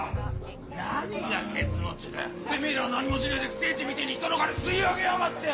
何がケツ持ちだてめぇらは何もしねえで寄生虫みてぇに人の金吸い上げやがってよ！